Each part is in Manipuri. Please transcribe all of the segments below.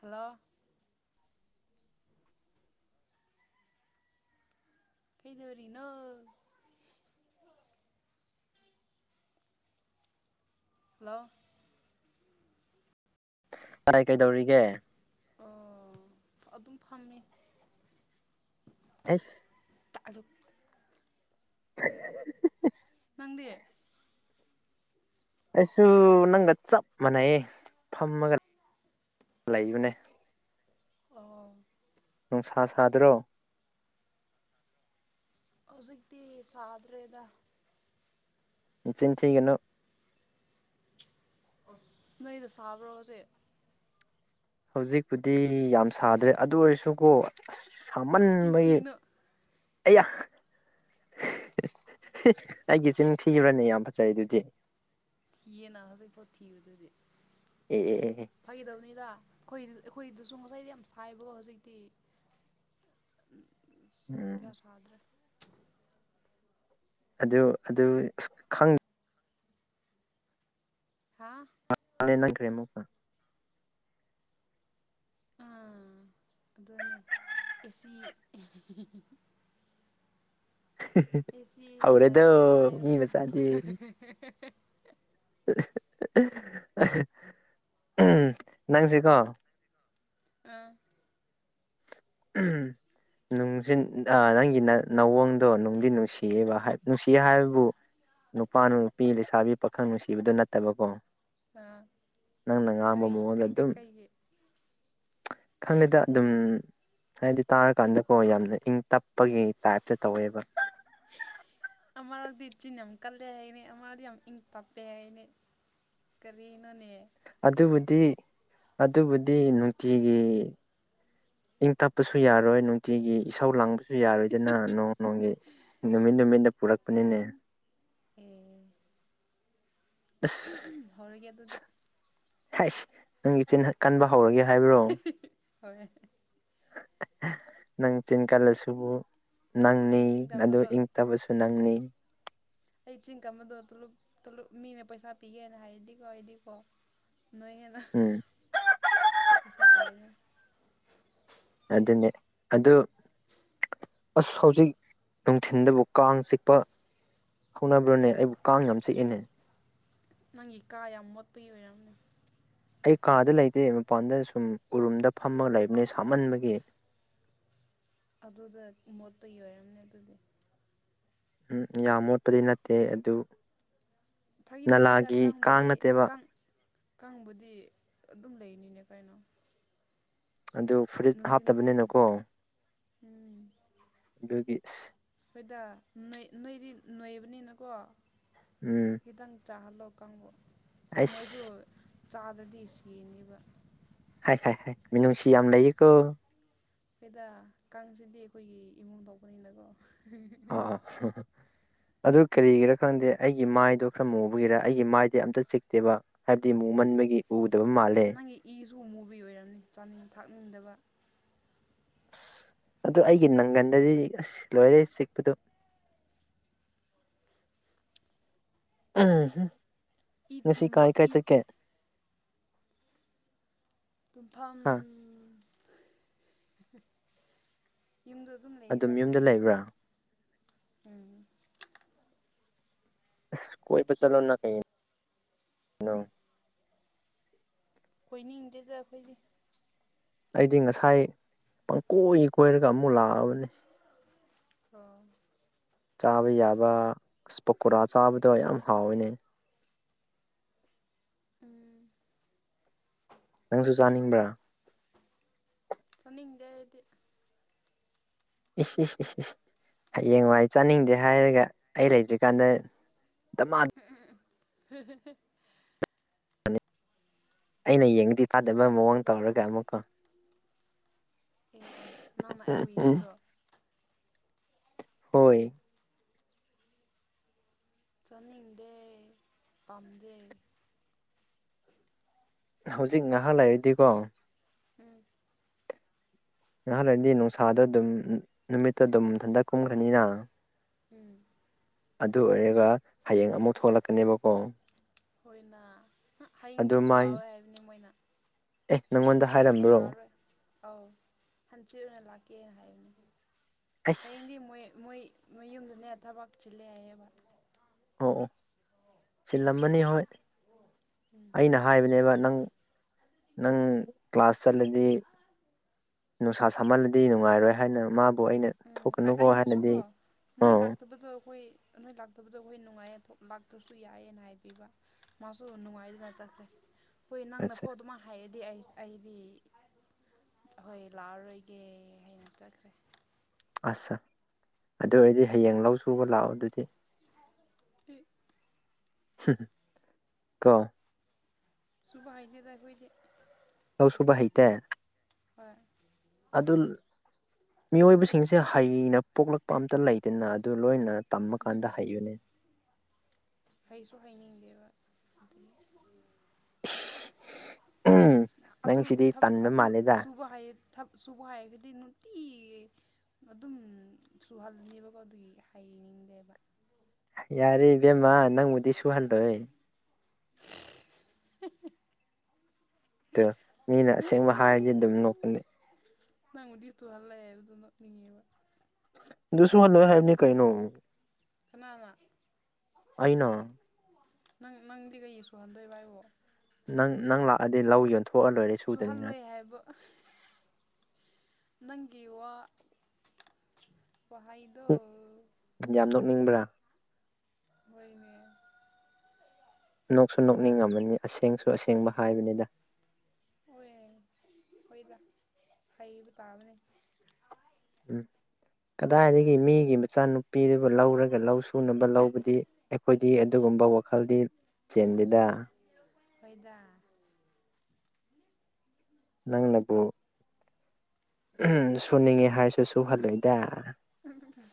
ꯍꯜꯂꯣ ꯀꯩꯗꯧꯔꯤꯅꯣ ꯍꯜꯂꯣ ꯀꯗꯥꯥꯏ ꯀꯩꯗꯧꯔꯤꯒꯦ ꯑꯣ ꯑꯗꯨꯝ ꯐꯝꯃꯦ ꯑꯁ ꯑꯂꯨ [inaudible] ꯅꯪꯗꯤꯑꯦ ꯑꯩꯁꯨ ꯅꯪꯒ ꯆꯞ ꯃꯥꯟꯅꯩ ꯐꯝꯃꯒ ꯂꯩꯌꯨꯅꯦ ꯑꯣ ꯅꯨꯡꯁꯥ ꯁꯥꯗ꯭ꯔꯣ ꯍꯧꯖꯤꯛꯇꯤ ꯁꯥꯗ꯭ꯔꯦꯗ ꯆꯤꯟꯊꯤꯒꯅꯣ ꯅꯗ ꯁꯥꯕ ꯔꯣꯑꯣꯁꯦ ꯍꯧꯖꯤꯛꯄꯨꯗꯤ ꯌꯥꯝ ꯁꯥꯗ꯭ꯔꯦ ꯑꯗꯨ ꯑꯣꯏꯔꯁꯨꯀꯣ ꯑꯁ ꯅꯆꯤꯟ ꯁꯥꯃꯟꯕꯒꯤ ꯊꯤꯒꯅꯨ ꯑꯩ ꯑꯩꯒꯤ ꯏꯆꯤꯟ ꯅꯤꯡꯊꯤꯨꯔꯅꯦ ꯌꯥꯝ ꯐꯖꯔꯤꯦ ꯑꯗꯨꯗꯤ ꯊꯤꯌꯦꯅ ꯍꯧꯖꯤꯛꯐꯥꯎꯠ ꯊꯤꯕꯗꯨꯗꯤ ꯑꯦ ꯑꯦ ꯑꯦ ꯐꯒꯗꯕꯅꯤꯗ ꯑꯩꯈꯣꯏ ꯑꯩꯈꯣꯏꯗꯁꯨ ꯉꯁꯥꯏꯗꯤ ꯌꯥꯝ ꯁꯥꯏꯕꯀꯣ ꯍꯧꯖꯤꯛꯇꯤ ꯎꯝ ꯀꯌꯥ ꯁꯥ ꯗ꯭ꯔꯦ ꯑꯗꯨ ꯑꯗꯨ ꯈꯪ ꯍꯥꯥ ꯈꯪꯗꯦ ꯅꯪꯈ꯭ꯔꯦ ꯃ ꯑꯥ ꯑꯗꯨꯅꯦ ꯑꯦꯁꯤ ꯑꯦꯁꯤꯅ ꯍꯧꯔꯦꯗꯣ ꯀꯅꯥ ꯃꯤ ꯃꯆꯥꯗꯤ ꯎ ꯅꯪꯁꯤꯀꯣ ꯑ ꯎꯝ ꯅꯨꯡꯁꯤ ꯅꯪꯒꯤ ꯅꯋꯡꯗꯣ ꯅꯨꯡꯗꯤ ꯅꯨꯡꯁꯤꯌꯦꯕ ꯅꯨꯡꯁꯤꯌꯦ ꯍꯥꯏꯕꯕꯨ ꯅꯨꯄꯥꯅ ꯅꯨꯄꯤ ꯂꯩꯁꯥꯕꯤ ꯄꯥꯈꯪ ꯅꯨꯡꯁꯤꯕꯗꯨ ꯅꯠꯇꯕꯀꯣ ꯑ ꯅꯪꯅ ꯉꯥꯡꯕ ꯀꯔꯤ ꯃꯑꯣꯡꯗ ꯑꯗꯨꯝ ꯀꯩꯀꯩꯀꯩꯒꯤ ꯈꯪꯉꯦꯗ ꯑꯗꯨꯝ ꯍꯥꯏꯗꯤ ꯇꯥꯔꯀꯥꯟꯗꯀꯣ ꯌꯥꯝꯅ ꯏꯪ ꯇꯞꯄꯒꯤ ꯇꯥꯏꯞꯇ ꯇꯧꯋꯦꯕ ꯑꯔꯗꯤ ꯆ ꯌꯥꯝ ꯀꯜꯂꯦ ꯍꯥꯏꯅꯦꯩ ꯑ ꯌꯥꯝ ꯏꯪ ꯇꯥꯞꯄꯦ ꯍꯥꯏꯅꯦꯩ ꯀꯔꯤ ꯏꯅꯦ ꯑꯗꯨꯕꯨꯗꯤ ꯑꯗꯨꯕꯨꯗꯤ ꯅꯨꯡꯇꯤꯒꯤ ꯏꯪ ꯇꯞꯄꯁꯨ ꯌꯥꯔꯣꯏ ꯅꯨꯡꯇꯤꯒꯤ ꯏꯥꯎ ꯂꯥꯡꯕꯁꯨ ꯨ ꯌꯥꯔꯣꯏꯗꯅ ꯅꯣꯡ ꯅꯣꯡꯒꯤ ꯅꯨꯃꯤꯠ ꯅꯨꯃꯤꯠꯅ ꯄꯨꯔꯛꯄꯅꯤꯅꯦ ꯑꯦ ꯍꯧꯔꯒꯤ ꯑꯗꯨꯗꯤ ꯑꯁ ꯅꯪꯒꯤ ꯀꯟꯕ ꯍꯧꯔꯒꯦ ꯍꯥꯏꯕ꯭ꯔꯣ ꯍꯣꯔꯦꯟ ꯅꯪ ꯇꯤꯟ ꯀꯜꯁꯨꯕꯨꯨ ꯑꯩ ꯅꯪꯅꯤ ꯆꯤꯟ ꯑꯗꯨ ꯀꯟꯕꯗꯣ ꯏꯪꯇꯕꯁꯨ ꯅꯪꯅꯤ ꯑꯩ ꯆꯤꯡ ꯀꯝꯕꯗꯣꯂꯞꯂꯞ ꯃꯤꯅ ꯄꯩꯁꯥ ꯄꯤꯒꯦꯅ ꯍꯥꯏꯗꯤꯀꯣ ꯑꯩꯗꯤꯀꯣ ꯅꯗ ꯎꯝ ꯄꯩꯁꯥ ꯄꯥꯏꯗ ꯑꯗꯨꯗꯅꯦ ꯑꯗꯨꯗ ꯑꯁ ꯍꯧꯖꯤꯛ ꯅꯨꯡꯊꯤꯤꯟꯗꯕꯨ ꯀꯥꯡ ꯆꯤꯛꯄ ꯍꯧꯅꯕ꯭ꯔꯅꯦ ꯑꯩꯕꯨ ꯀꯥꯡ ꯌꯥꯝ ꯆꯤꯑꯦꯅꯦ ꯅꯪꯒꯤ ꯀꯥ ꯌꯥꯝ ꯃꯣꯠꯄꯒꯤ ꯑꯣꯏꯔꯝꯃꯦ ꯑꯩ ꯀꯥꯗ ꯂꯩꯇꯦ ꯃꯄꯥꯟꯗ ꯁꯨꯝ ꯎꯔꯨꯝꯗ ꯐꯝꯃꯒ ꯂꯩꯕꯅꯦ ꯁꯥꯃꯟꯕꯒꯤ ꯑꯗꯨꯗ ꯃꯣꯠꯄ ꯌꯣꯏꯔꯝꯅꯦ ꯑꯗꯨꯗꯤ ꯎ ꯌꯥꯝ ꯃꯣꯠꯄꯗꯤ ꯅꯠꯇꯦ ꯑꯗꯨ ꯐꯥꯈꯤꯗꯕꯅꯤꯗ ꯅꯂꯥꯒꯤ ꯀꯥꯡ ꯀꯥꯡꯪꯕꯗꯤ ꯅꯠꯇꯦꯕ ꯀꯥꯡꯪꯕꯨꯗꯤ ꯑꯗꯨꯝ ꯂꯩꯅꯤꯅꯦꯣ ꯑꯗꯨ ꯐꯨꯔꯤꯠ ꯅꯨꯡꯊꯤꯟ ꯍꯥꯞꯇꯕꯅꯤꯅꯀꯣ ꯎꯝ ꯒꯤꯁ ꯑꯩꯈꯣꯏꯗ ꯅꯣꯏꯗꯤ ꯅꯣꯏꯕꯅꯤꯅꯀꯣ ꯎꯝ ꯈꯤꯇꯪ ꯆꯥꯍꯜꯂꯣ ꯀꯥꯡꯕꯨ ꯃꯣꯏꯁꯨ ꯑꯩꯁ ꯆꯥꯗ꯭ꯔꯗꯤ ꯁꯤꯅꯦꯕ ꯍꯥꯏ ꯍ ꯃꯤꯨꯡꯁꯤ ꯌꯥꯝ ꯑꯃ ꯂꯩꯀꯣ ꯍꯣꯏꯗ ꯀꯥꯡꯁꯤꯗꯤ ꯑꯩꯈꯣꯏꯒꯤ ꯏꯃꯨꯡ ꯊꯣꯛꯄꯅꯤꯅꯀꯣ ꯑ ꯑꯗꯨ ꯀꯔꯤꯒꯤꯔꯥ ꯈꯪꯗꯦ ꯑꯩꯒꯤ ꯃꯥꯏꯗꯣ ꯈꯔ ꯃꯨꯕꯒꯤꯔ ꯑꯩꯒꯤ ꯃꯥꯏꯗꯤ ꯑꯝꯇ ꯆꯤꯛꯇꯦꯕ ꯍꯥꯏꯕꯗꯤ ꯃꯨꯃꯟꯕꯒꯤ ꯎꯗꯕ ꯃꯥꯜꯂꯦ ꯅꯪꯒꯤ ꯏꯁꯨ ꯃꯨꯚꯤ ꯑꯣꯏꯔꯝꯅꯤ ꯆꯥꯅꯤꯡ ꯊꯥꯛꯅꯤꯡꯗꯕ ꯑꯁ ꯑꯗꯨ ꯑꯩꯒꯤ ꯅꯪꯒꯟꯗꯗꯤ ꯑꯁ ꯂꯣꯏꯔꯦ ꯆꯤꯛꯄꯗꯨ [inaudible] ꯏ ꯅꯁꯤ ꯊꯨꯝꯕ ꯀꯥꯏ ꯀꯥꯏ ꯏ ꯆ ꯀꯦ ꯇꯨꯡꯐꯥ ꯍꯥ ꯌꯨꯝꯗ ꯑꯗꯨꯝ ꯂꯩꯗ ꯌꯨꯝꯗ ꯐꯗꯕꯅꯤ ꯂꯩꯕ꯭ꯔꯥ ꯎꯝ ꯑꯁ ꯀꯣꯏ ꯄ ꯆꯂꯣ ꯅ ꯀꯩ ꯀꯣꯏꯅꯤꯡꯗꯗ ꯑꯩꯈꯣꯏꯒꯤ ꯑꯩꯗꯤ ꯉꯁꯥꯏ ꯄꯪꯀꯣꯏ ꯀꯣꯏꯔꯒ ꯑꯃꯨꯛ ꯂꯥꯛꯑꯕꯅꯤ ꯑꯣ ꯆꯥꯕ ꯌꯥꯕ ꯑꯁ ꯄꯀꯣꯔꯥ ꯆꯥꯕꯗꯣ ꯌꯥꯝ ꯍꯥꯎꯋꯤꯅꯦ ꯎꯝ ꯅꯪꯁꯨ ꯆꯥꯅꯤꯡꯕ꯭ꯔꯥ ꯁꯅꯤꯡꯗꯗꯤ ꯏꯁ ꯏꯁ ꯍꯌꯦꯡ ꯋꯥꯏ ꯆꯥꯅꯤꯡꯗꯦ ꯍꯥꯏꯔꯒ ꯑꯩ ꯂꯩꯇ꯭ꯔꯤꯀꯥꯟꯗ ꯗꯃꯥꯟ ꯍ ꯑꯩꯅ ꯌꯦꯡꯗꯤ ꯇꯥꯗꯕ ꯃꯑꯣꯡ ꯆꯥꯅꯤꯡꯗꯦꯗ ꯇꯧꯔꯒ ꯑꯃꯨꯛꯀꯣ ꯑꯦ ꯑꯦ ꯃꯥꯃꯑ ꯎꯝ ꯎꯝ ꯑꯣꯏꯏ꯭ꯔꯣ ꯍꯣꯏ ꯆꯅꯤꯗꯦ ꯄꯝꯗꯦ ꯍꯧꯖꯤꯛ ꯉꯥꯏꯍꯥꯛ ꯂꯩꯔꯗꯤꯀꯣ ꯎꯝ ꯉꯍꯥꯥꯟꯋꯥꯗꯤ ꯅꯨꯡꯁꯥꯗ ꯑꯗꯨꯝ ꯅꯨꯃꯤꯠꯇ ꯑꯗꯨꯝ ꯊꯟꯗꯛ ꯀꯨꯝꯈ꯭ꯔꯅꯤꯅ ꯎꯝ ꯑꯗꯨ ꯑꯣꯏꯔꯒ ꯍꯌꯦꯡ ꯑꯃꯨꯛ ꯊꯣꯛꯂꯛꯀꯅꯦꯕꯀꯣ ꯍꯣꯏꯅ ꯍꯌꯦꯡꯗꯤ ꯑꯗꯨ ꯃꯥꯏ ꯊꯣꯛꯂꯛꯑꯣꯋꯦ ꯍꯥꯏꯕꯅꯤ ꯃꯣꯏꯅ ꯑꯦ ꯅꯪꯉꯣꯟꯗ ꯍꯌꯦꯡ ꯍꯥꯏꯔꯝꯕ꯭ꯔꯣ ꯊꯣꯛꯂꯛꯑꯔꯣꯏ ꯑꯧ ꯍꯟꯆꯤ ꯑꯣꯏꯅ ꯂꯥꯛꯀꯦꯅ ꯍꯥꯏꯕꯅꯦ ꯑꯩꯁ ꯍꯌꯦꯡꯗꯤ ꯃꯣꯏ ꯃꯣꯏ ꯃꯌꯨꯝꯗꯨꯅꯦ ꯊꯕꯛ ꯆꯤꯜꯂꯦ ꯍꯥꯏꯌꯦꯕ ꯑꯣ ꯑꯣ ꯆꯤꯜꯂꯝꯃꯅꯤ ꯍꯣꯏ ꯑꯩꯅ ꯍꯥꯏꯕꯅꯦꯕꯥ ꯅꯪ ꯅꯪ ꯀ꯭ꯂꯥꯁ ꯆꯠꯂꯥꯗꯤ ꯅꯨꯡꯁꯥ ꯁꯥꯝꯍꯜꯂꯗꯤ ꯅꯨꯡꯉꯥꯏꯔꯣꯏ ꯍꯥꯏꯕꯅ ꯃꯥꯕꯨ ꯑꯗꯨꯣ ꯑꯩꯅꯥ ꯎꯝ ꯊꯣꯛꯀꯅꯨꯀꯣ ꯍꯥꯏꯅꯗꯤ ꯑꯩꯅꯁꯨꯀꯣ ꯅꯣꯏ ꯀ‌ꯣ ꯂꯥꯛꯇꯕꯗꯣ ꯑꯩꯈꯣꯏ ꯅꯣꯏ ꯂꯥꯛꯇꯕꯗꯣ ꯑꯩꯈꯣꯏ ꯅꯨꯡꯉꯥꯏꯌꯦ ꯂꯥꯛꯇ꯭ꯔꯁꯨ ꯌꯥꯏꯑꯅ ꯍꯥꯏꯕꯤꯕ ꯃꯥꯁꯨ ꯅꯨꯡꯉꯥꯏꯗꯨꯅ ꯆꯠꯇꯦ ꯍꯨꯣꯏ ꯑꯠꯆꯥ ꯅꯪꯅꯥꯐꯧ ꯑꯗꯨꯝ ꯍꯥꯏꯔꯗꯤ ꯑꯩ ꯑꯩ ꯗꯤ ꯍꯣꯏ ꯂꯥꯛꯑꯔꯣꯏꯒꯦ ꯍꯥꯏꯅ ꯆꯠꯈ꯭ꯔꯦ ꯑꯥꯁꯥ ꯑꯗꯨ ꯑꯣꯏꯔꯗꯤ ꯍꯌꯦꯡ ꯂꯧ ꯁꯨꯕ ꯂꯥꯛꯑꯣ ꯑꯗꯨꯗꯤ ꯑꯩ ꯀ‌ꯣ ꯁꯨꯕꯥꯏꯅꯗ ꯑꯩꯈꯣꯏꯗꯤ ꯑꯥꯎꯁꯨꯨꯕ ꯍꯩꯇꯦ ꯍꯣꯏ ꯑꯗꯨꯟ ꯃꯤꯑꯣꯏꯕꯁꯤꯡꯁꯦ ꯍꯩꯅ ꯄꯣꯛꯂꯛꯄ ꯑꯝꯇ ꯂꯩꯗꯅ ꯑꯗꯨ ꯂꯣꯏꯅ ꯇꯝꯃꯀꯥꯟꯗ ꯍꯩꯌꯨꯅꯦ ꯑꯩꯩꯁꯨ ꯍꯥꯏꯅꯤꯡꯗꯦꯕ ꯎꯝ ꯑꯗꯨ ꯅꯪꯁꯤꯗꯤ ꯊꯕꯛ ꯇꯟꯕ ꯑꯗꯨꯨ ꯃꯥꯜꯂꯦꯗ ꯁꯨꯕ ꯍꯥꯏꯔꯒꯗꯤ ꯐꯤ ꯑꯗꯨꯝ ꯁꯨꯍꯜꯅꯦꯕꯀꯣ ꯑꯗꯨꯒꯤ ꯍꯩꯅꯤꯡꯗꯦꯕ ꯌꯥꯔꯦ ꯏꯕꯦꯝꯃ ꯅꯪ ꯃꯗꯤ ꯁꯨ ꯍꯥꯜꯔꯣꯣꯏ ꯃꯤꯅ ꯑꯁꯦꯡꯕ ꯍꯥꯏꯔꯒ ꯑꯗꯨꯝ ꯅꯣꯛꯈꯜꯂꯤ ꯅꯪ ꯎꯗꯤꯠꯇꯨ ꯍꯜꯂꯔ ꯑꯗꯨꯅꯣꯉꯕ ꯑꯗꯨꯁꯨꯣ ꯍꯜꯂ ꯁꯥꯍꯕꯅꯦ ꯀꯩꯅꯩꯅꯣ ꯀꯅꯥꯅ ꯑꯅ ꯅꯪ ꯅꯪꯗꯤ ꯀꯩ ꯁꯨꯍꯟꯗꯣꯏ ꯚ ꯍꯥꯏꯕꯣ ꯅꯪ ꯅꯪ ꯂꯥꯛꯑꯗꯤ ꯂꯧ ꯌꯣꯟꯊꯣꯛ ꯁꯨꯍꯜꯂꯣꯏ ꯍꯥꯏꯕ ꯅꯪꯒꯤ ꯋꯥ ꯋꯥꯍꯩꯗꯣ ꯅꯤꯡꯕ꯭ꯔꯥ ꯑꯣꯏꯏꯅꯥ ꯅꯣꯛꯁꯨ ꯅꯣꯛꯅꯤꯡꯉꯝꯃꯅꯤ ꯑꯁꯦꯡꯁꯨ ꯑꯁꯦꯡꯕ ꯍꯥꯏꯕꯅꯤꯗꯥ ꯑꯣꯏ ꯑꯣꯏꯗ ꯍꯥꯏꯕꯇꯥꯥꯕꯅꯤ ꯎꯝ ꯀꯗꯥꯏꯗꯥꯒꯤ ꯃꯤꯒꯤ ꯃꯆꯥꯅꯨꯄꯤꯗꯨꯕꯨ ꯂꯧꯔꯒ ꯂꯧ ꯁꯨꯅꯕ ꯂꯧꯕꯗꯤ ꯑꯩꯈꯣꯏꯗꯤ ꯑꯗꯨꯒ ꯀꯨꯝꯕꯥ ꯋꯥꯈꯜꯗꯤ ꯆꯦꯟꯗꯦꯗꯥ ꯐꯣꯏꯗꯥ ꯅꯪꯅꯥꯕꯨ ꯁꯨꯅꯤꯡꯉꯦ ꯍꯥꯏꯔꯁꯨ ꯁꯨꯍꯜꯂꯣꯏꯏꯗ ꯎꯝ ꯎꯝ ꯎꯝ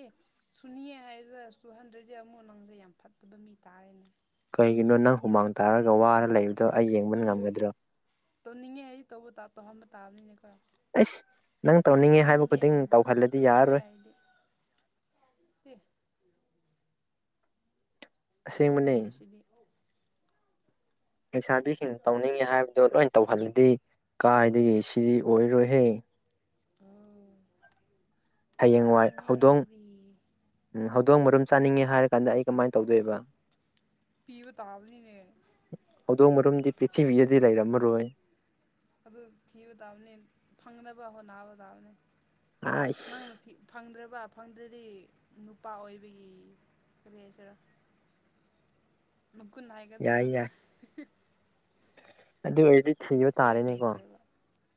ꯑꯦ ꯁꯨꯅꯤꯌꯦ ꯍꯥꯏꯗꯨꯅ ꯑꯁ ꯇꯨ ꯍꯟꯗ꯭ꯔꯦꯗꯁ ꯑꯃꯨꯛ ꯅꯪꯁꯦ ꯌꯥꯝ ꯐꯠꯇꯕ ꯃꯤ ꯇꯥꯔꯦꯅꯦ ꯀꯩꯒꯤꯅꯣ ꯅꯪ ꯍꯨꯃꯥꯡ ꯇꯥꯔꯒ ꯋꯥꯔ ꯂꯩꯕꯗꯣ ꯑꯩ ꯌꯦꯡꯕ ꯑꯗꯨ ꯉꯝꯒꯗ꯭ꯔꯣ ꯇꯧꯅꯤꯡꯉꯦ ꯑꯩ ꯇꯧꯕ ꯇ ꯇꯧꯍꯕ ꯇꯥꯕꯅꯤꯅꯦ ꯈꯣ ꯑꯩꯁ ꯅꯪ ꯇꯧꯅꯤꯡꯉꯦ ꯍꯥꯏꯕ ꯈꯨꯗꯤꯡ ꯇꯧꯍꯜꯂꯗꯤ ꯌꯥꯔꯔꯣꯏ ꯍ ꯑꯁꯦꯡꯕꯅꯦ ꯑꯝ ꯁꯤꯗꯤ ꯂꯩꯁꯥꯕꯤꯁꯤꯡꯅ ꯇꯧꯅꯤꯡꯉꯤ ꯍꯥꯏꯕꯗꯨꯣ ꯂꯣꯏ ꯇꯧꯍꯜꯂꯗꯤ ꯀꯥꯏꯗꯒꯤ ꯁꯤꯗꯤ ꯑꯣꯏꯔꯣꯏꯍꯦ ꯎꯝ ꯍꯌꯦꯡꯋꯥꯏ ꯍꯧꯗꯣꯡ ꯎ ꯍꯧ ꯑꯗꯣꯡ ꯃꯔꯨꯝ ꯆꯥꯅꯤꯡꯉꯦ ꯍꯥꯏꯔ ꯀꯥꯟꯗ ꯑꯩ ꯀꯃꯥꯏꯅ ꯇꯧꯗꯣꯏꯕ ꯄꯤꯕ ꯇꯥꯕꯅꯤꯅꯦ ꯑꯗꯣ ꯃꯔꯝꯗꯤ ꯄ꯭ꯔꯤꯊꯤꯕꯤꯗꯤ ꯑꯗꯨ ꯊꯕ ꯇ ꯑꯃꯅꯤꯅꯤ ꯐꯪꯅ ꯄ ꯅꯥꯅꯦ ꯑꯥꯏꯁ ꯅꯪꯅ ꯐꯪꯗ꯭ꯔꯦꯕ ꯐꯪꯗ꯭ꯔꯗꯤ ꯅꯨꯄꯥ ꯑꯣꯏꯕꯒꯤ ꯀꯔꯤ ꯍꯥꯏꯁꯤꯔꯥ ꯃꯀꯨꯟ ꯍꯥꯏꯒꯗ꯭ꯔꯥ ꯌꯥꯏ ꯌꯥꯏ ꯑꯗꯨ ꯑꯣꯏꯔꯗꯤ ꯊꯤꯕ ꯇꯥꯔꯦꯅꯦꯀꯣ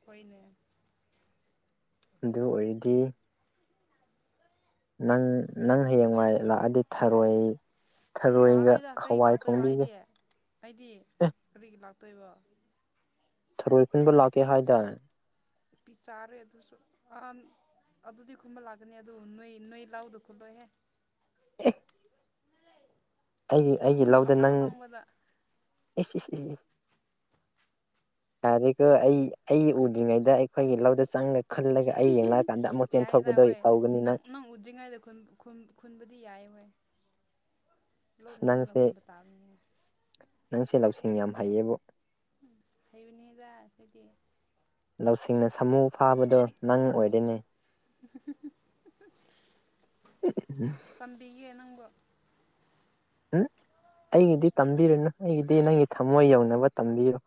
ꯍꯅ ꯑꯗꯨ ꯑꯣꯏꯔꯗꯤ ꯅꯪ ꯅꯪ ꯍꯌꯦꯡꯋꯥꯏ ꯂꯥꯛꯑꯗꯤ ꯊꯔꯣꯏ ꯊꯔꯣꯏꯒ ꯂꯥꯛꯔꯣꯏꯗ ꯀꯔꯤꯒꯤ ꯍꯋꯥꯏ ꯂꯥꯛꯇꯣꯏꯕ ꯊꯣꯡꯕꯤꯒꯦ ꯑꯩꯗꯤ ꯑꯩꯗꯤ ꯑꯦ ꯀꯔꯤꯒꯤ ꯂꯥꯛꯇꯣꯏꯕ ꯊꯔꯣꯏ ꯈꯨꯟꯕ ꯂꯥꯛꯀꯦ ꯍꯥꯏꯇꯥꯔꯦ ꯅꯨ ꯄꯤ ꯆꯥꯔꯦ ꯑꯗꯨꯁꯨ ꯑꯍ ꯑꯗꯨꯗꯤ ꯈꯨꯝꯕ ꯂꯥꯛꯀꯅꯤ ꯑꯗꯨ ꯅꯣꯏ ꯅꯣꯏ ꯂꯥꯛꯎꯗꯣ ꯈꯨꯝꯜꯂꯣꯏꯍꯦ ꯑꯦ ꯑꯩꯒꯤ ꯑꯩꯒꯤ ꯑꯗꯨꯝ ꯂꯧꯗ ꯑꯐꯪ ꯅꯪ ꯑꯐꯪꯕꯗ ꯑꯦꯁ ꯑꯦ ꯑꯦ ꯌꯥꯔꯤꯦꯈꯣ ꯑꯩ ꯑꯩ ꯎꯗ꯭ꯔꯤꯉꯩꯗ ꯑꯩꯈꯣꯏꯒꯤ ꯂꯧꯗ ꯆꯪꯉ ꯈꯨꯜꯂꯒ ꯑꯩ ꯌꯦꯡꯂꯛꯑꯀꯥꯟꯗ ꯑꯃꯨꯛ ꯌꯥꯏꯔꯥ ꯆꯦꯟꯊꯣꯛꯄꯗꯣ ꯍꯣꯏ ꯇꯧꯒꯅꯤ ꯅꯪ ꯅꯪ ꯎꯗ꯭ꯔꯤꯉꯩꯗ ꯈꯨꯟꯕꯨꯗꯤ ꯌꯥꯏ ꯍꯣꯏ ꯑꯁ ꯂꯣꯏꯅ ꯅꯪꯁꯦ ꯂꯣꯏꯅꯈꯣꯏꯕ ꯇꯥꯔ ꯅꯪꯁꯦ ꯂꯧꯁꯤꯡ ꯌꯥꯝ ꯍꯩꯌꯦꯕ ꯎ ꯍꯩꯕꯅꯤꯗ ꯍꯥꯏꯣꯏꯗꯤ ꯂꯧꯁꯤꯡꯅ ꯁꯥꯃꯨ ꯐꯥꯕꯗꯣ ꯅꯪ ꯇꯥꯛ ꯑꯣꯏꯗꯣꯏꯅꯤ ꯇꯝꯕꯤꯒꯦ ꯅꯪꯕꯨ ꯎꯝ ꯑꯩꯒꯤꯗꯤ ꯇꯝꯕꯤꯔꯨꯅꯨ ꯑꯩꯒꯤꯗꯤ ꯅꯪꯒꯤ ꯊꯝꯃꯣꯏ ꯌꯧꯅꯕ ꯇꯝꯕꯤꯔꯣ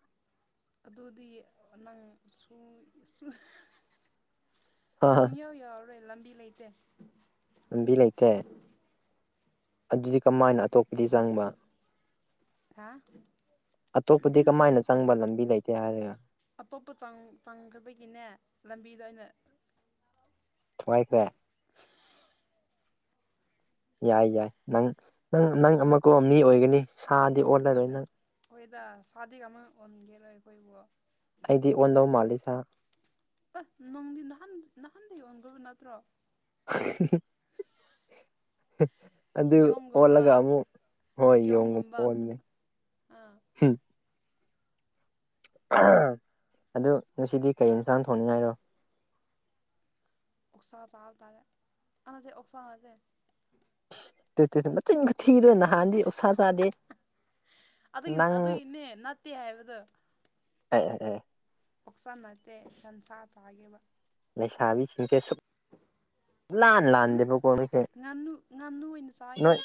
ꯑꯗꯨꯗꯤ ꯅꯪ ꯍꯥ ꯁꯨꯏꯌꯥꯎ ꯌꯥꯎꯎꯔꯣ ꯑꯦ ꯂꯝꯕꯤ ꯂꯩꯇꯦ ꯂꯝꯕꯤ ꯂꯩꯇꯦ ꯑꯗꯨꯗꯤ ꯀꯃꯥꯏꯅ ꯑꯇꯣꯞꯄꯗꯤ ꯆꯪꯕ ꯍꯥ ꯑꯇꯣꯞꯄꯗꯤ ꯀꯃꯥꯏꯅ ꯆꯪꯕ ꯂꯝꯕꯤ ꯂꯩꯇꯦ ꯍꯥꯏꯔꯦꯅ ꯑꯇꯣꯞꯄ ꯆꯪꯈ꯭ꯔꯕꯒꯤꯅꯦ ꯂꯝꯕꯤꯗ ꯑꯣꯏꯅ ꯊꯃꯥꯏꯈꯦ ꯌꯥꯏ ꯌꯥꯏ ꯅꯪ ꯅꯪ ꯅꯪ ꯑꯃꯀ ꯃꯤ ꯑꯣꯏꯒꯅꯤ ꯁꯥꯗꯤ ꯑꯣꯜꯂꯔꯣꯏ ꯅꯪ ꯁꯥꯗꯤ ꯀꯃ ꯑꯣꯟꯦꯔ ꯑꯣꯏꯣꯏꯕꯣ ꯑꯩꯗꯤ ꯑꯣꯟꯗꯧ ꯃꯥꯜꯂꯤ ꯁꯥ ꯑꯁ ꯅꯣꯡꯗꯤ ꯅꯍꯥꯟ ꯅꯍꯥꯟꯗ ꯌꯣꯟꯒꯕ ꯅꯠꯇ꯭ꯔꯣ [inaudible] ꯎ ꯑꯗꯨ ꯌꯣꯡꯒꯨꯝꯕ ꯑꯣꯜꯂꯒ ꯑꯃꯨ ꯍꯣꯏ ꯌꯦꯣꯡꯉꯨ ꯌꯣꯡꯒꯨꯝꯕ ꯐꯜꯃꯦ ꯑꯥ ꯑꯗꯨ ꯉꯁꯤꯗꯤ ꯀꯩ ꯌꯦꯟꯁꯥꯡ ꯊꯣꯡꯅꯤꯡꯉꯥꯏꯔꯣ ꯎꯁꯥ ꯆꯥ ꯇꯔꯦ ꯑꯗ ꯑꯣꯁꯥ ꯑꯗꯦ ꯇꯦ ꯇ ꯃꯇꯆꯤꯟ ꯊꯤꯗꯣꯏ ꯅꯍꯥꯟꯗꯤ ꯎꯁꯥ ꯆꯥꯗꯦ ꯑꯗꯨꯒꯤ ꯅꯪ ꯑꯗꯨꯒꯤꯅꯦ ꯅꯠꯇꯦ ꯍꯥꯏꯕꯗꯣ ꯎ ꯄꯣꯛꯆ ꯅꯠꯇꯦ ꯁꯟꯁꯥ ꯆꯥꯈꯤꯕ ꯂꯩꯁꯥꯕꯤꯁꯤꯡꯁꯦ ꯁꯨꯞ ꯂꯥꯟ ꯎꯝ ꯂꯥꯟꯗꯕꯣ ꯀꯃꯤꯁꯦ ꯉꯥꯅꯨ ꯉꯥꯅꯨ ꯑꯣꯏꯅ ꯅꯣꯏ ꯆꯥꯒꯦꯗ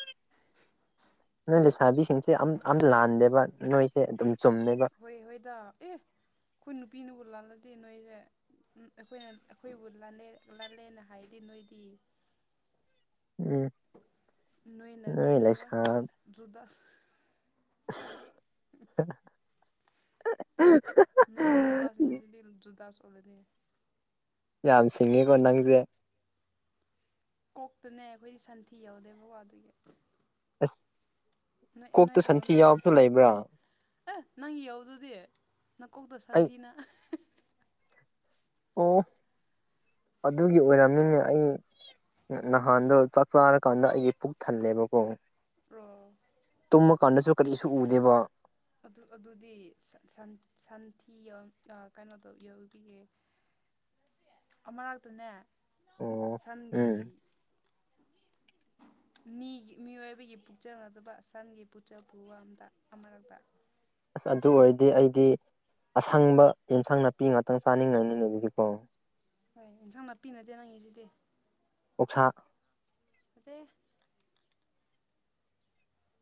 ꯅꯣꯏ ꯂꯩꯁꯥꯕꯤꯁꯤꯡꯁꯦ ꯑꯝ ꯂꯥꯟꯗꯦꯕ ꯅꯣꯏꯁꯦ ꯑꯗꯨꯝ ꯆꯨꯝꯃꯦꯕ ꯍꯣꯏ ꯍꯣꯏꯗ ꯑꯦ ꯑꯩꯈꯣꯏ ꯅꯨꯄꯤꯅꯕꯨ ꯂꯥꯜꯂꯗꯤ ꯅꯣꯏ ꯑꯩꯈꯣꯏꯅ ꯑꯩꯈꯣꯏꯕꯨ ꯂꯥꯂꯦ ꯂꯥꯜꯂꯦꯅ ꯍꯥꯏꯗꯤ ꯅꯣꯏꯗꯤ ꯎꯝ ꯅ ꯅ ꯅꯣꯏ ꯀꯔꯤ ꯍꯥꯏꯕ ꯂꯩꯁꯥ ꯖꯨꯗꯁ [unintelligible] ꯄꯥꯁꯅꯤꯁꯤꯗꯤ ꯖꯗꯥꯁ ꯑꯣꯜꯂꯅꯤ ꯌꯥꯝ ꯁꯤꯡꯉꯤꯀꯣ ꯅꯪꯁꯦ ꯀꯣꯛꯇꯅꯦ ꯑꯩꯈꯣꯏꯗꯤ ꯁꯟꯊꯤ ꯌꯎꯗꯦ ꯕꯕꯥ ꯑꯗꯨꯒꯤ ꯅꯣꯏ ꯀꯣꯛꯇ ꯅꯣꯏꯗꯧꯅ ꯁꯟꯊꯤ ꯌꯥꯎꯕꯁꯨ ꯂꯩꯕ꯭ꯔꯥ ꯑꯦ ꯅꯪꯒꯤ ꯌꯧꯗꯨꯗꯤ ꯅꯀꯣꯛꯇ ꯑꯩ ꯁꯟꯊꯤꯅ ꯑꯣ ꯑꯗꯨꯒꯤ ꯑꯣꯏꯔꯝꯅꯤꯅꯦ ꯑꯩ ꯅꯍꯥꯟꯗꯣ ꯆꯥꯛ ꯆꯥꯔꯀꯥꯟꯗ ꯑꯩꯒꯤ ꯄꯨꯛ ꯊꯜꯂꯦꯕꯀꯣ ꯔꯣ ꯇꯨꯝꯃ ꯀꯥꯟꯗꯁꯨ ꯀꯔꯤꯁꯨ ꯎꯗꯦꯕ ꯑꯗꯨꯗꯤ ꯁꯟꯊꯤ ꯀꯩꯅꯣ ꯇꯧ ꯌꯎꯕꯤꯌꯦ ꯑꯃꯔꯛꯇꯅꯦ ꯑꯣ ꯁꯟꯒꯤ ꯎꯝ [unintelligible] ꯃꯤꯒꯤ ꯃꯤꯑꯣꯏꯕꯒꯤ ꯄꯨꯛꯆꯅꯗꯕ ꯁꯟꯒꯤ ꯄꯨꯆ ꯄꯨ ꯋꯥꯝꯗ ꯑꯃꯔꯛꯇ ꯑꯗꯨ ꯑꯣꯏꯔꯗꯤ ꯑꯩꯗꯤ ꯑꯁꯪꯕ ꯌꯦꯟꯁꯥꯡ ꯅꯥꯄꯤ ꯉꯥꯛꯇꯪ ꯆꯥꯅꯤꯡꯉꯅꯤꯅ ꯑꯗꯨꯗꯤꯀꯣ ꯍꯣꯏ ꯏꯟꯁꯥꯡ ꯅꯥꯄꯤ ꯅꯠꯇꯦ ꯅꯪꯒꯤꯁꯤꯗꯤ ꯑꯣꯛꯁꯥ ꯎꯆꯦ [inaudible]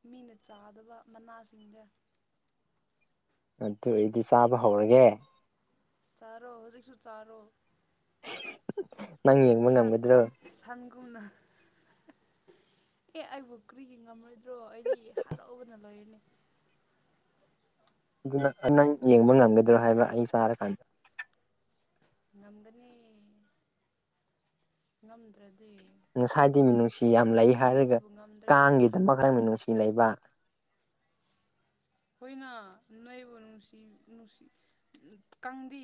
ꯃꯤꯅ ꯆꯥꯗꯕ ꯃꯅꯥꯁꯤꯡꯗꯦ ꯑꯗꯨ ꯑꯩꯗꯤ ꯆꯥꯕ ꯍꯧꯔꯒꯦ ꯆꯥꯔꯣ ꯍꯧꯖꯤꯛꯁꯨ ꯆꯥꯔꯣ ꯅꯪ ꯌꯦꯡꯕ ꯉꯝꯒꯗ꯭ꯔꯣ ꯁꯥꯟꯒꯨꯨꯝꯅ ꯑꯦ ꯑꯩꯕꯨ ꯀ꯭ꯔꯤꯒꯤ ꯉꯝꯔꯣꯏꯗ꯭ꯔꯣ ꯑꯩꯗꯤ ꯍꯔꯥꯎꯒꯅ ꯂꯣꯏꯔꯅꯤ ꯑꯗꯨꯅ ꯅꯪ ꯌꯦꯡꯕ ꯉꯝꯒꯗ꯭ꯔꯣ ꯍꯥꯏꯕ꯭ꯔꯥ ꯑꯩ ꯆꯥꯔꯀꯥꯟꯗ ꯉꯝꯒꯅꯤ ꯉꯝꯗ꯭ꯔꯗꯤ ꯉꯁꯥꯏꯗꯤ ꯃꯤꯅꯨꯡꯁꯤ ꯌꯥꯝ ꯂꯩ ꯍꯥꯏꯔꯒ ꯑꯩꯅꯕꯨ ꯉꯝꯗ꯭ꯔꯗꯤ ꯀꯅꯥ ꯀꯥꯡꯒꯤꯗ ꯃꯈ ꯈ ꯃꯤꯅꯨꯡꯁꯤ ꯂꯩꯕ ꯍꯣꯏꯅ ꯅꯣꯏꯕꯨ ꯅꯨꯡꯁꯤ ꯅꯨꯡꯁꯤ ꯀꯥꯡꯗꯤ